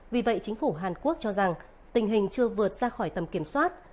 vì vậy chính phủ hàn quốc cho rằng tình hình chưa vượt ra khỏi tầm kiểm soát